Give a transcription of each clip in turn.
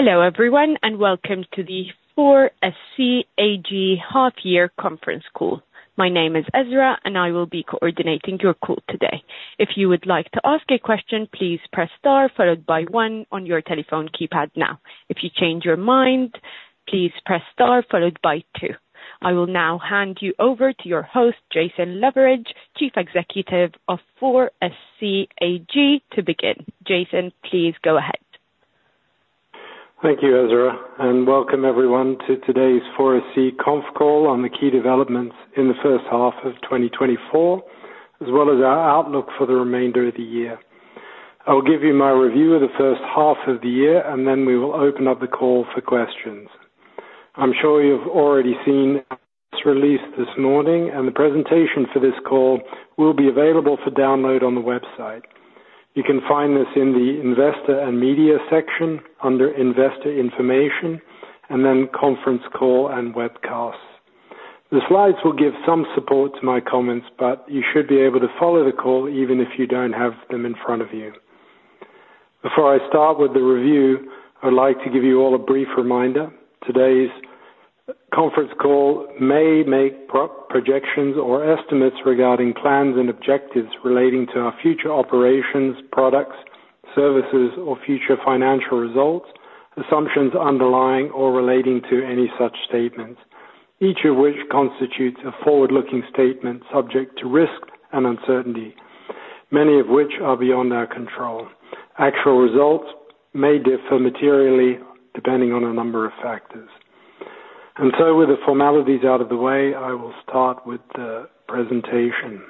Hello everyone, and welcome to the 4SC AG half year conference call. My name is Ezra, and I will be coordinating your call today. If you would like to ask a question, please press star followed by one on your telephone keypad now. If you change your mind, please press star followed by two. I will now hand you over to your host, Jason Loveridge, Chief Executive of 4SC AG, to begin. Jason, please go ahead. Thank you, Ezra, and welcome everyone to today's 4SC conf call on the key developments in the first half of 2024, as well as our outlook for the remainder of the year. I'll give you my review of the first half of the year, and then we will open up the call for questions. I'm sure you've already seen this release this morning, and the presentation for this call will be available for download on the website. You can find this in the Investor and Media section under Investor Information, and then Conference Call and Webcasts. The slides will give some support to my comments, but you should be able to follow the call even if you don't have them in front of you. Before I start with the review, I'd like to give you all a brief reminder. Today's conference call may make projections or estimates regarding plans and objectives relating to our future operations, products, services, or future financial results, assumptions underlying or relating to any such statements, each of which constitutes a forward-looking statement subject to risk and uncertainty, many of which are beyond our control. Actual results may differ materially depending on a number of factors. With the formalities out of the way, I will start with the presentation.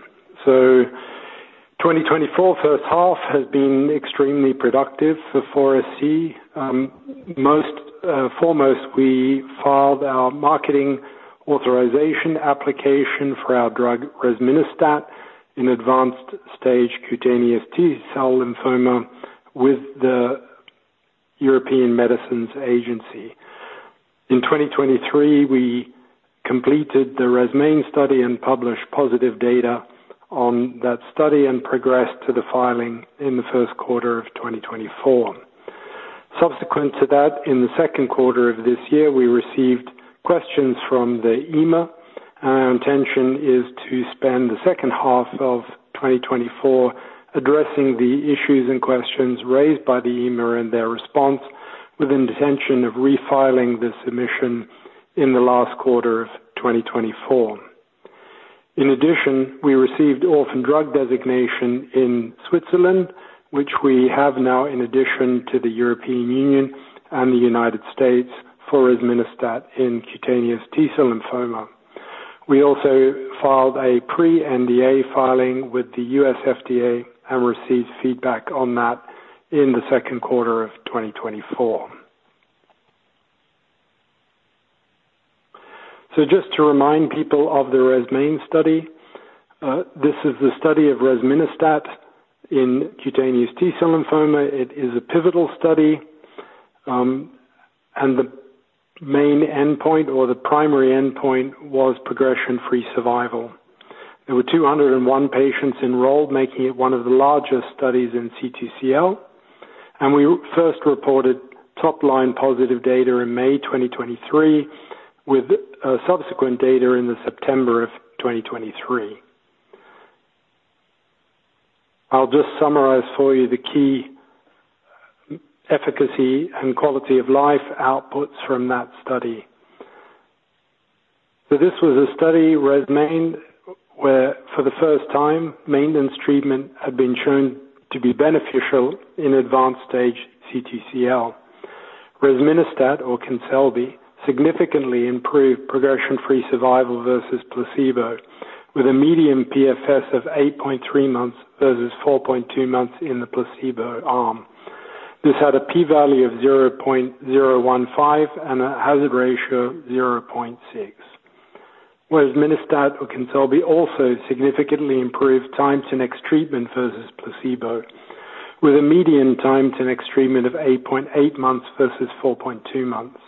2024 first half has been extremely productive for 4SC. Most foremost, we filed our marketing authorization application for our drug, resminostat, in advanced stage cutaneous T-cell lymphoma with the European Medicines Agency. In 2023, we completed the RESMAIN study and published positive data on that study and progressed to the filing in the first quarter of 2024. Subsequent to that, in the second quarter of this year, we received questions from the EMA, and our intention is to spend the second half of 2024 addressing the issues and questions raised by the EMA and their response, with the intention of refiling the submission in the last quarter of 2024. In addition, we received orphan drug designation in Switzerland, which we have now, in addition to the European Union and the United States, for resminostat in cutaneous T-cell lymphoma. We also filed a pre-NDA filing with the US FDA and received feedback on that in the second quarter of 2024. So just to remind people of the RESMAIN study, this is the study of resminostat in cutaneous T-cell lymphoma. It is a pivotal study, and the main endpoint or the primary endpoint was progression-free survival. There were 201 patients enrolled, making it one of the largest studies in CTCL, and we first reported top-line positive data in May 2023, with subsequent data in the September of 2023. I'll just summarize for you the key efficacy and quality of life outputs from that study. So this was a study, RESMAIN, where for the first time, maintenance treatment had been shown to be beneficial in advanced stage CTCL. Resminostat, or Kinselby, significantly improved progression-free survival versus placebo, with a median PFS of 8.3 months versus 4.2 months in the placebo arm. This had a P value of 0.015 and a hazard ratio of 0.6, whereas resminostat, or Kinselby, also significantly improved time to next treatment versus placebo, with a median time to next treatment of 8.8 months versus 4.2 months.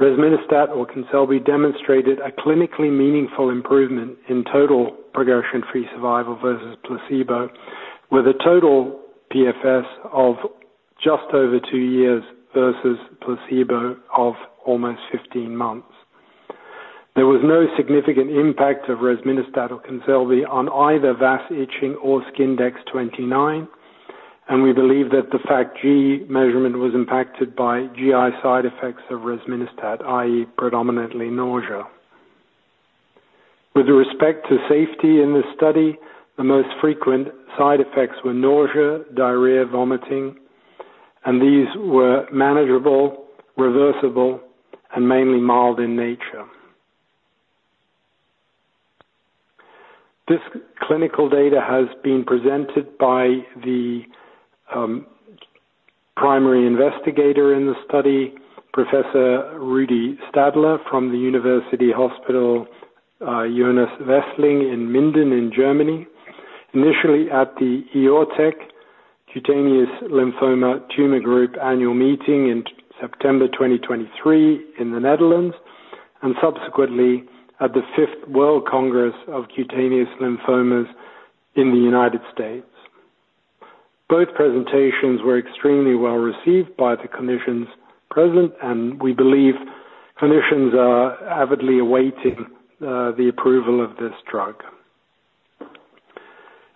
Resminostat, or Kinselby, demonstrated a clinically meaningful improvement in total progression-free survival versus placebo, with a total PFS of just over 2 years versus placebo of almost 15 months. There was no significant impact of resminostat or Kinselby on either VAS itching or Skindex-29, and we believe that the FACT-G measurement was impacted by GI side effects of resminostat, i.e., predominantly nausea. With respect to safety in this study, the most frequent side effects were nausea, diarrhea, vomiting, and these were manageable, reversible, and mainly mild in nature. This clinical data has been presented by the primary investigator in the study, Professor Rudolf Stadler, from the University Hospital Johannes Wesling in Minden, in Germany, initially at the EORTC Cutaneous Lymphoma Tumor Group annual meeting in September 2023 in the Netherlands, and subsequently at the Fifth World Congress of Cutaneous Lymphomas in the United States. Both presentations were extremely well received by the clinicians present, and we believe clinicians are avidly awaiting the approval of this drug.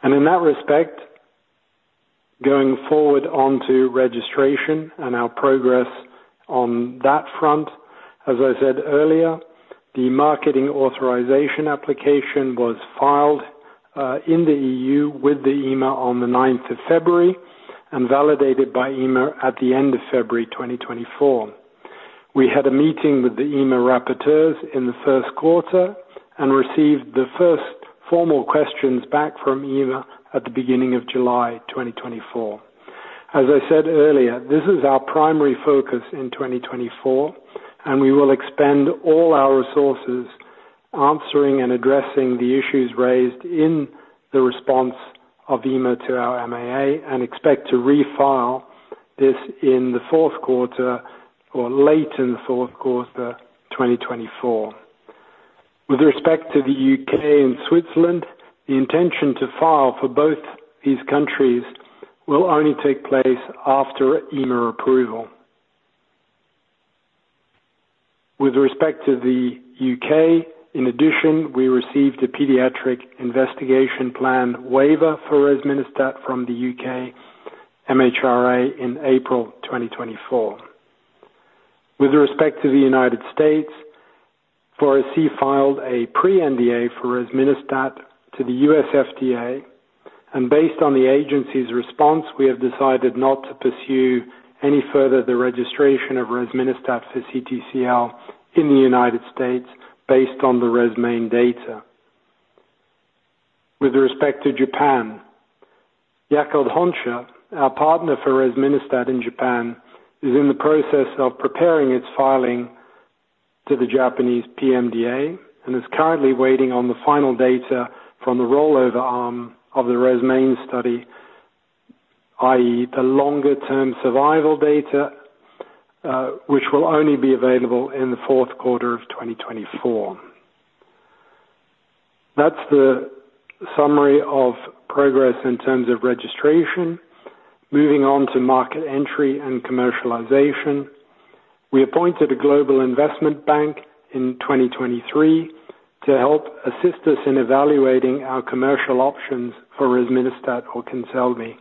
And in that respect, going forward onto registration and our progress on that front, as I said earlier, the Marketing Authorization Application was filed in the EU with the EMA on the ninth of February and validated by EMA at the end of February 2024. We had a meeting with the EMA rapporteurs in the first quarter and received the first formal questions back from EMA at the beginning of July 2024. As I said earlier, this is our primary focus in 2024, and we will expend all our resources answering and addressing the issues raised in the response of EMA to our MAA, and expect to refile this in the fourth quarter or late in the fourth quarter, 2024. With respect to the UK and Switzerland, the intention to file for both these countries will only take place after EMA approval. With respect to the UK, in addition, we received a pediatric investigation plan waiver for resminostat from the UK MHRA in April 2024. With respect to the United States, 4SC AG filed a pre-NDA for resminostat to the US FDA, and based on the agency's response, we have decided not to pursue any further the registration of resminostat for CTCL in the United States based on the RESMAIN data. With respect to Japan, Yakult Honsha, our partner for resminostat in Japan, is in the process of preparing its filing to the Japanese PMDA and is currently waiting on the final data from the rollover arm of the RESMAIN study, i.e., the longer-term survival data, which will only be available in the fourth quarter of 2024. That's the summary of progress in terms of registration. Moving on to market entry and commercialization. We appointed a global investment bank in 2023 to help assist us in evaluating our commercial options for resminostat or Kinselby.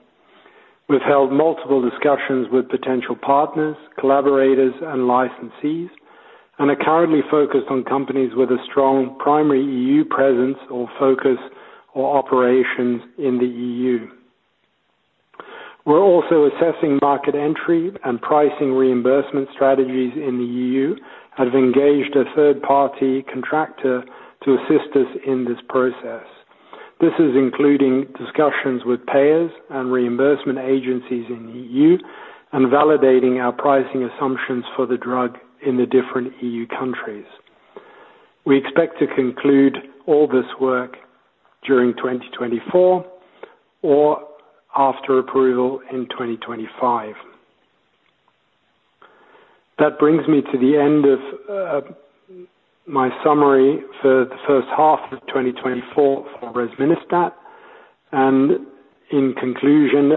We've held multiple discussions with potential partners, collaborators, and licensees, and are currently focused on companies with a strong primary EU presence or focus or operations in the EU. We're also assessing market entry and pricing reimbursement strategies in the EU, and have engaged a third-party contractor to assist us in this process. This is including discussions with payers and reimbursement agencies in the EU and validating our pricing assumptions for the drug in the different EU countries. We expect to conclude all this work during 2024 or after approval in 2025. That brings me to the end of my summary for the first half of 2024 for resminostat, and in conclusion,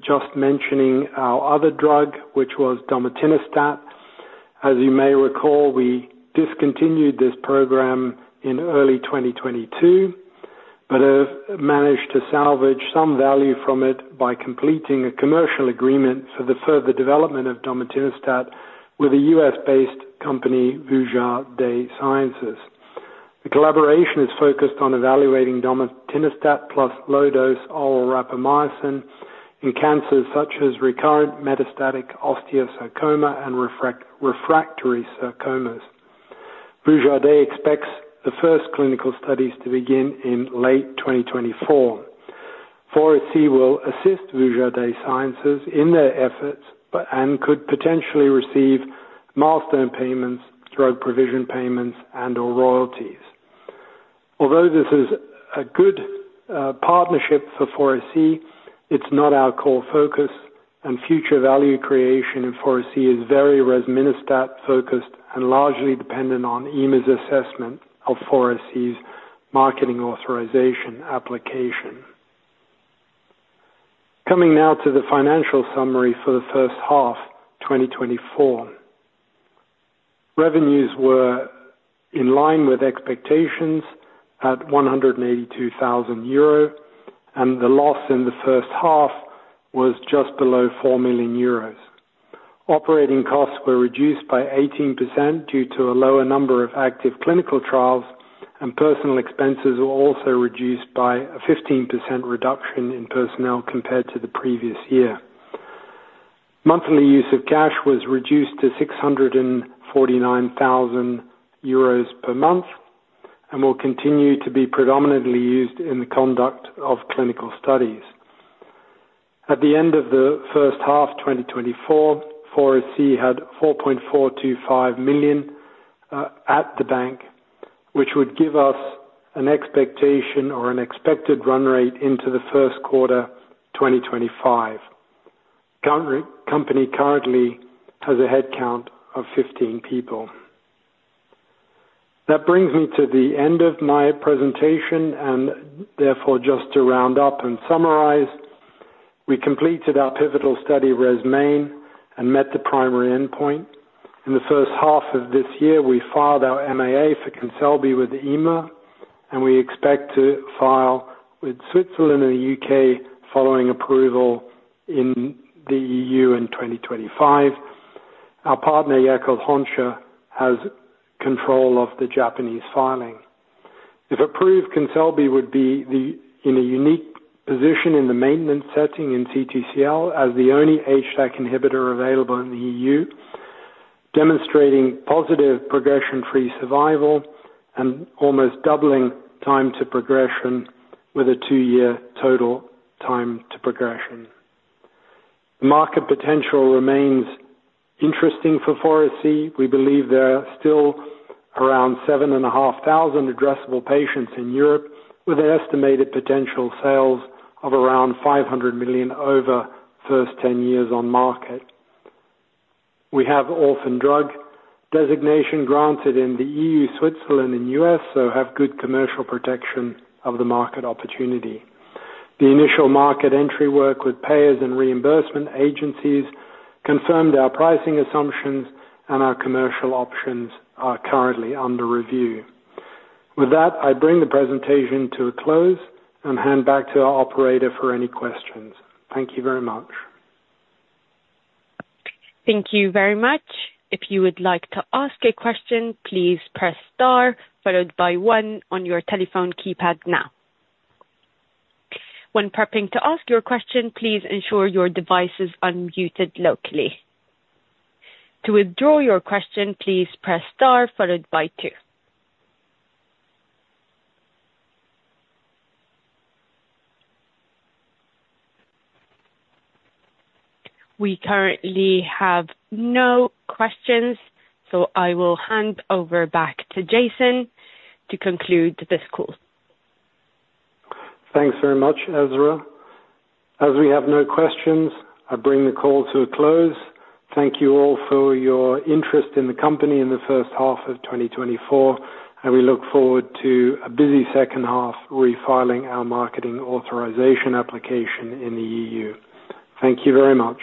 just mentioning our other drug, which was dometinostat. As you may recall, we discontinued this program in early 2022, but have managed to salvage some value from it by completing a commercial agreement for the further development of dometinostat with a US-based company, Vuja De Sciences. The collaboration is focused on evaluating dometinostat plus low-dose oral rapamycin in cancers such as recurrent metastatic osteosarcoma and refractory sarcomas. Vuja De expects the first clinical studies to begin in late 2024. 4SC AG will assist Vuja De Sciences in their efforts but and could potentially receive milestone payments, drug provision payments, and/or royalties. Although this is a good partnership for 4SC AG, it's not our core focus, and future value creation in 4SC AG is very resminostat-focused and largely dependent on EMA's assessment of 4SC AG's marketing authorization application. Coming now to the financial summary for the first half, 2024. Revenues were in line with expectations at 182,000 euro, and the loss in the first half was just below 4 million euros. Operating costs were reduced by 18% due to a lower number of active clinical trials, and personnel expenses were also reduced by a 15% reduction in personnel compared to the previous year. Monthly use of cash was reduced to 649,000 euros per month and will continue to be predominantly used in the conduct of clinical studies. At the end of the first half, 2024, 4SC AG had 4.425 million EUR at the bank, which would give us an expectation or an expected run rate into the first quarter, 2025. The company currently has a headcount of 15 people. That brings me to the end of my presentation, and therefore, just to round up and summarize, we completed our pivotal study, RESMAIN, and met the primary endpoint. In the first half of this year, we filed our MAA for Kinselby with EMA, and we expect to file with Switzerland and the UK following approval in the EU in 2025. Our partner, Yakult Honsha, has control of the Japanese filing. If approved, Kinselby would be the, in a unique position in the maintenance setting in CTCL, as the only HDAC inhibitor available in the EU, demonstrating positive progression-free survival and almost doubling time to progression with a 2-year total time to progression. The market potential remains interesting for 4SC AG. We believe there are still around 7,500 addressable patients in Europe, with an estimated potential sales of around 500 million over first 10 years on market. We have orphan drug designation granted in the EU, Switzerland, and US, so have good commercial protection of the market opportunity. The initial market entry work with payers and reimbursement agencies confirmed our pricing assumptions, and our commercial options are currently under review. With that, I bring the presentation to a close and hand back to our operator for any questions. Thank you very much. Thank you very much. If you would like to ask a question, please press star followed by one on your telephone keypad now. When prepping to ask your question, please ensure your device is unmuted locally. To withdraw your question, please press star followed by two. We currently have no questions, so I will hand over back to Jason to conclude this call. Thanks very much, Ezra. As we have no questions, I bring the call to a close. Thank you all for your interest in the company in the first half of 2024, and we look forward to a busy second half refiling our marketing authorization application in the EU. Thank you very much.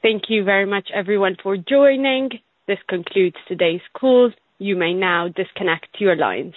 Thank you very much, everyone, for joining. This concludes today's call. You may now disconnect your lines.